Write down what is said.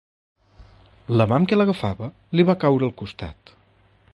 La mà amb que l'agafava li va caure al costat.